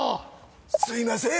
「すいません！」